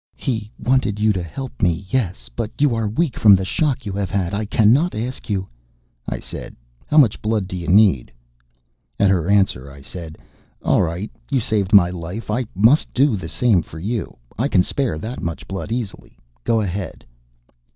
"He wanted you to help me, yes. But you are weak from the shock you have had. I cannot ask you " I said, "How much blood do you need?" At her answer, I said, "All right. You saved my life; I must do the same for you. I can spare that much blood easily. Go ahead."